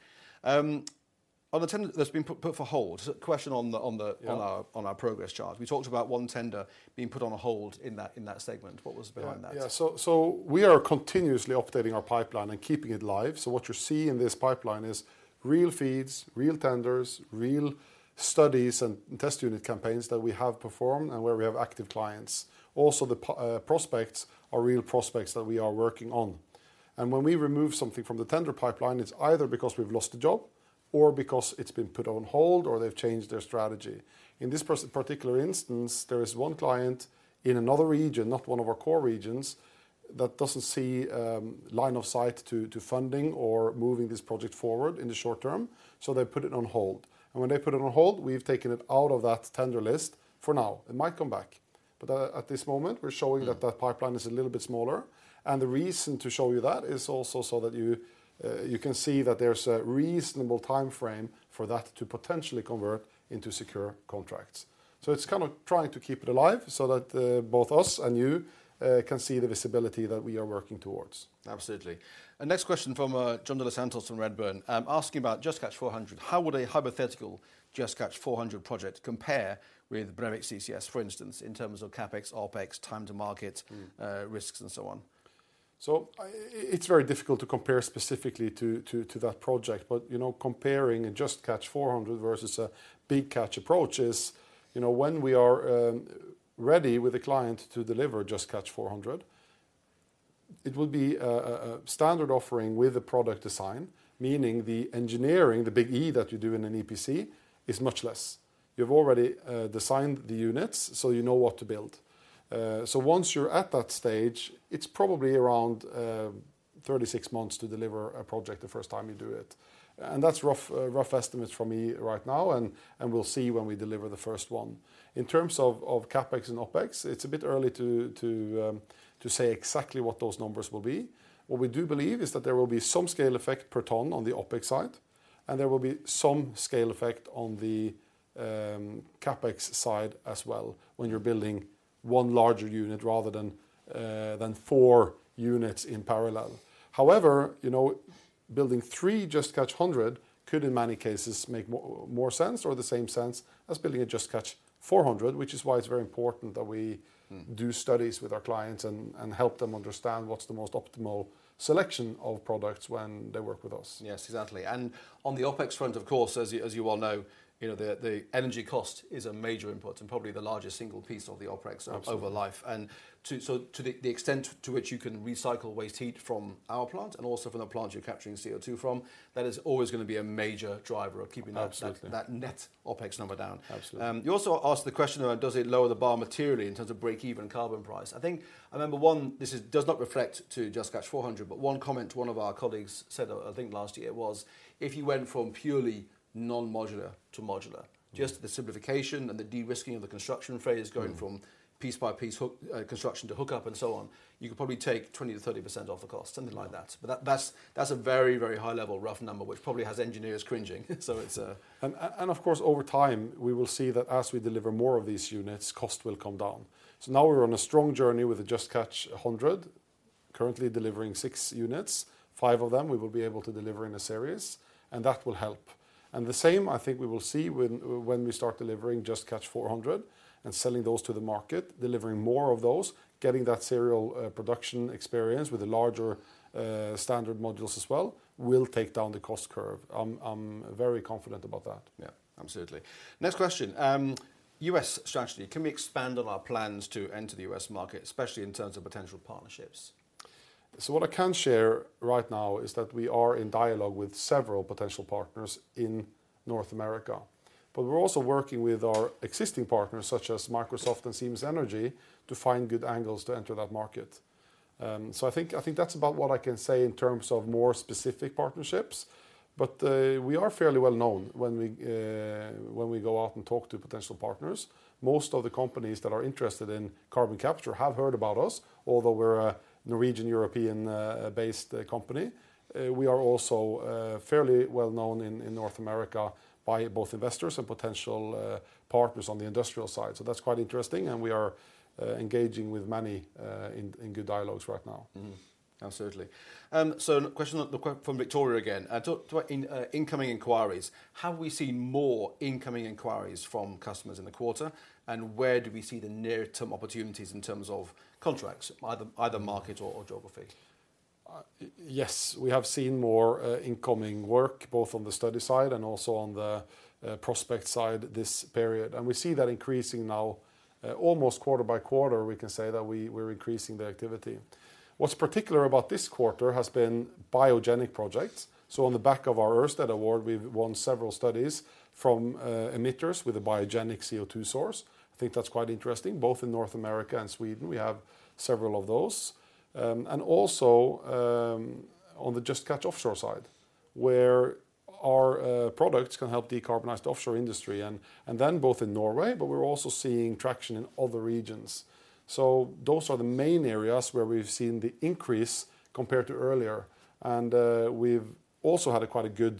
Speaker 1: On the 10 that's been put for hold, question on the.
Speaker 2: Yeah
Speaker 1: on our progress chart. We talked about one tender being put on a hold in that segment. What was behind that?
Speaker 2: We are continuously updating our pipeline and keeping it live. What you see in this pipeline is real feeds, real tenders, real studies and test unit campaigns that we have performed and where we have active clients. Also, the prospects are real prospects that we are working on. When we remove something from the tender pipeline, it's either because we've lost the job or because it's been put on hold, or they've changed their strategy. In this particular instance, there is one client in another region, not one of our core regions, that doesn't see line of sight to funding or moving this project forward in the short-term, so they put it on hold. When they put it on hold, we've taken it out of that tender list for now. It might come back, but at this moment.
Speaker 1: Mm
Speaker 2: that pipeline is a little bit smaller. The reason to show you that is also so that you can see that there's a reasonable timeframe for that to potentially convert into secure contracts. It's kind of trying to keep it alive so that both us and you can see the visibility that we are working towards.
Speaker 1: Absolutely. Next question from John de los Santos from Redburn, asking about Just Catch 400. How would a hypothetical Just Catch 400 project compare with Brevik CCS, for instance, in terms of CapEx, OpEx, time to market?
Speaker 2: Mm
Speaker 1: risks, and so on?
Speaker 2: It's very difficult to compare specifically to that project, but, you know, comparing a Just Catch 400 versus a Big Catch approach is, you know, when we are ready with a client to deliver Just Catch 400, it will be a standard offering with a product design, meaning the engineering, the big E that you do in an EPC, is much less. You've already designed the units, so you know what to build. Once you're at that stage, it's probably around 36 months to deliver a project the first time you do it. That's rough estimates from me right now, and we'll see when we deliver the first one. In terms of CapEx and OpEx, it's a bit early to say exactly what those numbers will be. What we do believe is that there will be some scale effect per ton on the OpEx side, and there will be some scale effect on the CapEx side as well, when you're building one larger unit rather than four units in parallel. However, you know, building three Just Catch 100 could, in many cases, make more sense or the same sense as building a Just Catch 400, which is why it's very important that we.
Speaker 1: Mm
Speaker 2: do studies with our clients and help them understand what's the most optimal selection of products when they work with us.
Speaker 1: Yes, exactly. On the OpEx front, of course, as you well know, you know, the energy cost is a major input and probably the largest single piece of the OpEx.
Speaker 2: Absolutely
Speaker 1: over life. To the extent to which you can recycle waste heat from our plant and also from the plant you're capturing CO2 from, that is always gonna be a major driver of keeping that.
Speaker 2: Absolutely
Speaker 1: that net OpEx number down.
Speaker 2: Absolutely.
Speaker 1: You also asked the question about does it lower the bar materially in terms of break-even carbon price? I think, I remember one... This is, does not reflect to Just Catch 400, one comment one of our colleagues said, I think last year, was if you went from purely non-modular to modular-
Speaker 2: Mm
Speaker 1: just the simplification and the de-risking of the construction phase.
Speaker 2: Mm
Speaker 1: going from piece-by-piece hook, construction to hookup and so on, you could probably take 20%-30% off the cost, something like that.
Speaker 2: Mm.
Speaker 1: That's a very, very high level rough number, which probably has engineers cringing. It's.
Speaker 2: Of course, over time, we will see that as we deliver more of these units, cost will come down. Now we're on a strong journey with the Just Catch 100, currently delivering six units. Five of them, we will be able to deliver in a series, and that will help. The same, I think we will see when we start delivering Just Catch 400 and selling those to the market, delivering more of those, getting that serial production experience with the larger standard modules as well, will take down the cost curve. I'm very confident about that.
Speaker 1: Absolutely. Next question, U.S. strategy. Can we expand on our plans to enter the U.S. market, especially in terms of potential partnerships?
Speaker 2: What I can share right now is that we are in dialogue with several potential partners in North America, but we're also working with our existing partners, such as Microsoft and Siemens Energy, to find good angles to enter that market. I think that's about what I can say in terms of more specific partnerships. We are fairly well known when we go out and talk to potential partners. Most of the companies that are interested in carbon capture have heard about us. Although we're a Norwegian, European, based company, we are also fairly well known in North America by both investors and potential partners on the industrial side. That's quite interesting, and we are engaging with many in good dialogues right now.
Speaker 1: Absolutely. Question from Victoria again. Talk about incoming inquiries. Have we seen more incoming inquiries from customers in the quarter, and where do we see the near-term opportunities in terms of contracts, either market or geography?
Speaker 2: Yes, we have seen more incoming work, both on the study side and also on the prospect side this period. We see that increasing now. Almost quarter by quarter, we can say that we're increasing the activity. What's particular about this quarter has been biogenic projects. On the back of our Ørsted award, we've won several studies from emitters with a biogenic CO2 source. I think that's quite interesting. Both in North America and Sweden, we have several of those. On the Just Catch Offshore side, where our products can help decarbonize the offshore industry, and then both in Norway, we're also seeing traction in other regions. Those are the main areas where we've seen the increase compared to earlier, and we've also had a quite a good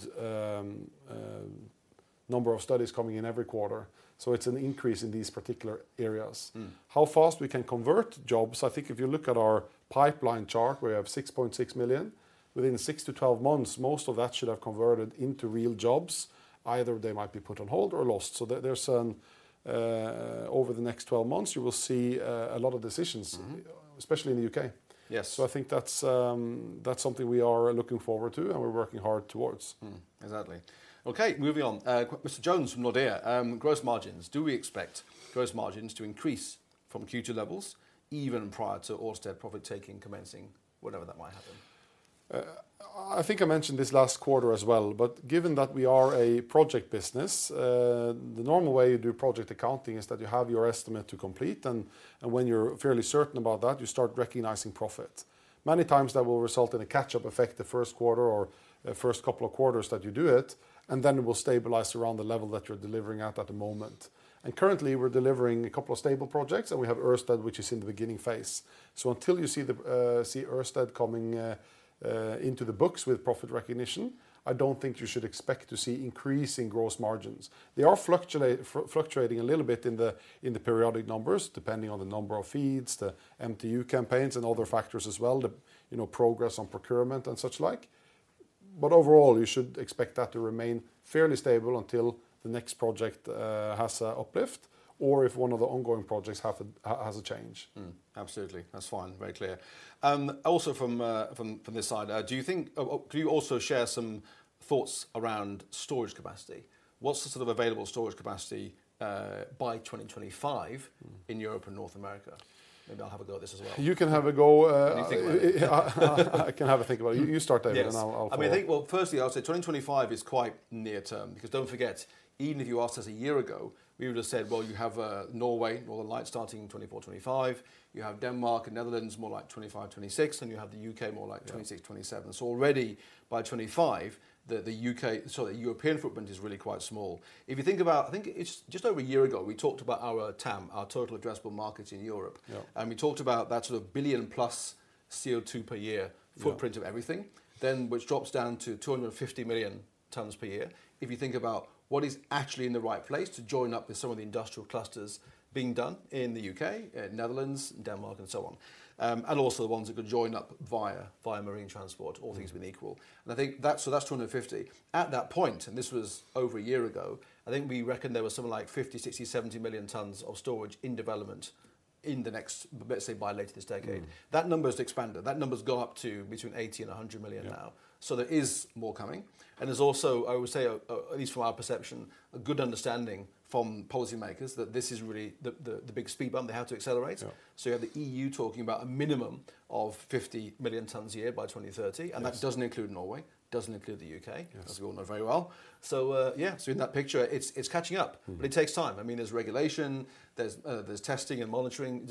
Speaker 2: number of studies coming in every quarter. It's an increase in these particular areas.
Speaker 1: Mm.
Speaker 2: How fast we can convert jobs, I think if you look at our pipeline chart, we have 6.6 million. Within six to 12 months, most of that should have converted into real jobs, either they might be put on hold or lost. There, there's some. Over the next 12 months, you will see a lot of decisions.
Speaker 1: Mm-hmm
Speaker 2: especially in the U.K.
Speaker 1: Yes.
Speaker 2: I think that's something we are looking forward to, and we're working hard towards.
Speaker 1: Exactly. Okay, moving on. Mr. Jones from Nordea, gross margins. Do we expect gross margins to increase from Q2 levels, even prior to Ørsted profit-taking commencing, whenever that might happen?
Speaker 2: I think I mentioned this last quarter as well, but given that we are a project business, the normal way you do project accounting is that you have your estimate to complete, and when you're fairly certain about that, you start recognizing profit. Many times, that will result in a catch-up effect the first quarter or first couple of quarters that you do it, and then it will stabilize around the level that you're delivering at the moment. Currently, we're delivering a couple of stable projects, and we have Ørsted, which is in the beginning phase. Until you see Ørsted coming into the books with profit recognition, I don't think you should expect to see increasing gross margins. They are fluctuating a little bit in the, in the periodic numbers, depending on the number of feeds, the MTU campaigns, and other factors as well, the, you know, progress on procurement and such like. Overall, you should expect that to remain fairly stable until the next project, has a uplift or if one of the ongoing projects have a, has a change.
Speaker 1: Absolutely. That's fine. Very clear. Also from this side, could you also share some thoughts around storage capacity? What's the sort of available storage capacity by 2025?
Speaker 2: Mm
Speaker 1: in Europe and North America? Maybe I'll have a go at this as well.
Speaker 2: You can have a go.
Speaker 1: What do you think about it?
Speaker 2: I can have a think about it. You start then.
Speaker 1: Yes
Speaker 2: and I'll follow-up.
Speaker 1: I mean, I think, well, firstly, I would say 2025 is quite near-term, because don't forget, even if you asked us a year ago, we would've said, "Well, you have Norway, more like starting 2024, 2025. You have Denmark and Netherlands, more like 2025, 2026, and you have the U.K., more like 2026, 2027.
Speaker 2: Yeah.
Speaker 1: Already by 2025, the U.K. The European footprint is really quite small. If you think about, I think it's just over a year ago, we talked about our TAM, our total addressable market in Europe.
Speaker 2: Yeah.
Speaker 1: We talked about that sort of billion-plus CO2 per year.
Speaker 2: Yeah
Speaker 1: footprint of everything, which drops down to 250 million tonnes per year. If you think about what is actually in the right place to join up with some of the industrial clusters being done in the U.K., Netherlands, and Denmark, and so on, and also the ones that could join up via marine transport, all things being equal.
Speaker 2: Mm.
Speaker 1: I think that's 250. At that point, and this was over a year ago, I think we reckon there was something like 50, 60, 70 million tons of storage in development in the next, let's say, by later this decade.
Speaker 2: Mm.
Speaker 1: That number has expanded. That number's gone up to between 80 million and 100 million now.
Speaker 2: Yeah.
Speaker 1: There is more coming, and there's also, I would say, at least from our perception, a good understanding from policymakers that this is really the big speed bump they have to accelerate.
Speaker 2: Yeah.
Speaker 1: You have the EU talking about a minimum of 50 million tons a year by 2030.
Speaker 2: Yes
Speaker 1: and that doesn't include Norway, doesn't include the U.K.
Speaker 2: Yes
Speaker 1: As we all know very well. Yeah, so in that picture, it's catching up.
Speaker 2: Mm.
Speaker 1: It takes time. I mean, there's regulation, there's testing and monitoring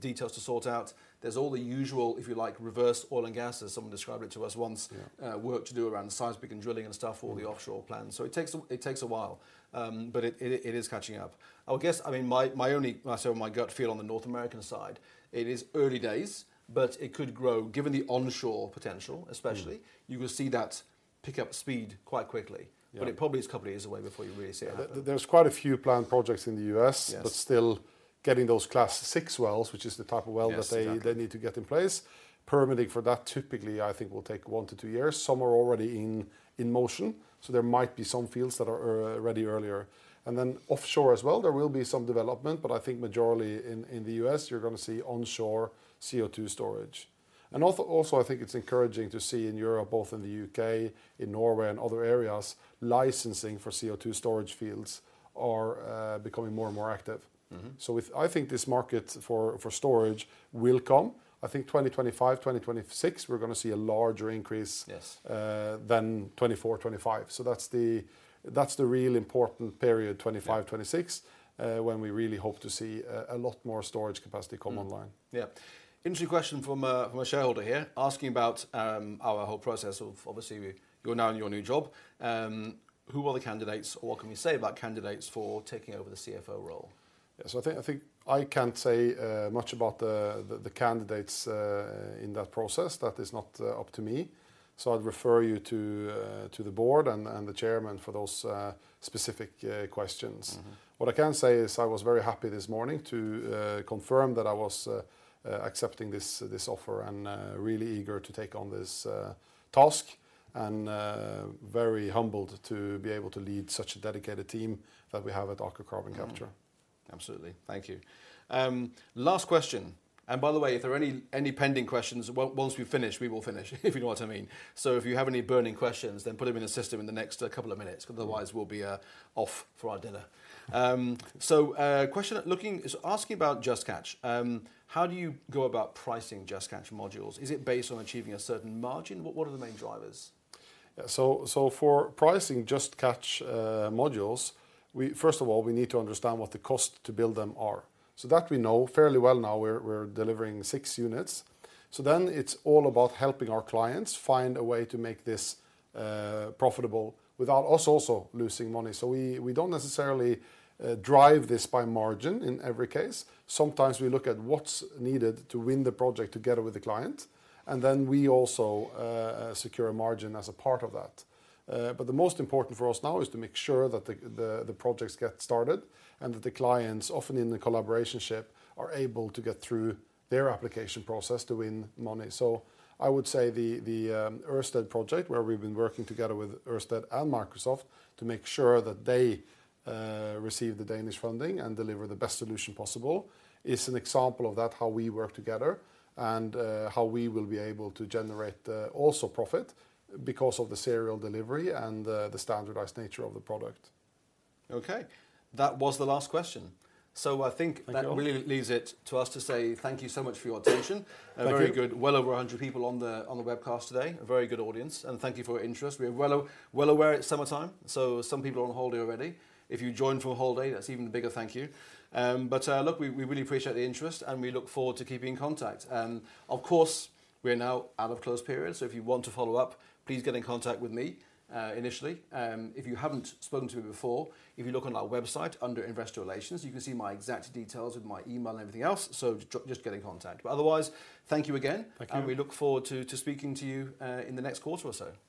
Speaker 1: details to sort out. There's all the usual, if you like, reverse oil and gas, as someone described it to us once.
Speaker 2: Yeah
Speaker 1: work to do around seismic and drilling and stuff.
Speaker 2: Mm
Speaker 1: All the offshore plans. It takes a while, but it is catching up. I would guess, I mean, my only, I say my gut feel on the North American side, it is early days, but it could grow. Given the onshore potential especially-
Speaker 2: Mm
Speaker 1: You will see that pick up speed quite quickly.
Speaker 2: Yeah.
Speaker 1: It probably is a couple of years away before you really see it happen.
Speaker 2: There's quite a few planned projects in the U.S.
Speaker 1: Yes
Speaker 2: Still, getting those Class VI wells, which is the type of.
Speaker 1: Yes, exactly.
Speaker 2: that they need to get in place, permitting for that typically, I think, will take one to two years. Some are already in motion, so there might be some fields that are ready earlier. Offshore as well, there will be some development, but I think majority in the U.S., you're gonna see onshore CO2 storage. Also, I think it's encouraging to see in Europe, both in the U.K., in Norway, and other areas, licensing for CO2 storage fields are becoming more and more active.
Speaker 1: Mm-hmm.
Speaker 2: I think this market for storage will come. I think 2025, 2026, we're gonna see a larger.
Speaker 1: Yes
Speaker 2: than 2024, 2025. That's the real important period, 2025, 2026.
Speaker 1: Yeah
Speaker 2: when we really hope to see a lot more storage capacity come online.
Speaker 1: Yeah. Interesting question from a, from a shareholder here, asking about, our whole process of... Obviously, you're now in your new job. Who are the candidates, or what can we say about candidates for taking over the CFO role?
Speaker 2: I think I can't say much about the candidates in that process. That is not up to me, so I'd refer you to the board and the chairman for those specific questions.
Speaker 1: Mm-hmm.
Speaker 2: What I can say is I was very happy this morning to confirm that I was accepting this offer and really eager to take on this task, and very humbled to be able to lead such a dedicated team that we have at Aker Carbon Capture.
Speaker 1: Absolutely. Thank you. Last question. By the way, if there are any pending questions, once we finish, we will finish, if you know what I mean. If you have any burning questions, put them in the system in the next couple of minutes.
Speaker 2: Mm
Speaker 1: Otherwise, we'll be off for our dinner. Question is asking about Just Catch. How do you go about pricing Just Catch modules? Is it based on achieving a certain margin? What are the main drivers?
Speaker 2: Yeah, so for pricing Just Catch modules, first of all, we need to understand what the cost to build them are. That we know fairly well now. We're delivering six units. Then it's all about helping our clients find a way to make this profitable without us also losing money. We don't necessarily drive this by margin in every case. Sometimes we look at what's needed to win the project together with the client, and then we also secure a margin as a part of that. But the most important for us now is to make sure that the projects get started and that the clients, often in the collaboration ship, are able to get through their application process to win money. I would say the Ørsted project, where we've been working together with Ørsted and Microsoft to make sure that they receive the Danish funding and deliver the best solution possible, is an example of that, how we work together and how we will be able to generate also profit because of the serial delivery and the standardized nature of the product.
Speaker 1: Okay, that was the last question.
Speaker 2: Thank you.
Speaker 1: I think that really leaves it to us to say thank you so much for your attention.
Speaker 2: Thank you.
Speaker 1: Well over 100 people on the webcast today, a very good audience. Thank you for your interest. We are well aware it's summertime, some people are on holiday already. If you joined from a holiday, that's an even bigger thank you. Look, we really appreciate the interest, we look forward to keeping in contact. Of course, we're now out of closed period, if you want to follow-up, please get in contact with me initially. If you haven't spoken to me before, if you look on our website, under Investor Relations, you can see my exact details with my email and everything else, just get in contact. Otherwise, thank you again.
Speaker 2: Thank you.
Speaker 1: We look forward to speaking to you in the next quarter or so. Thank you.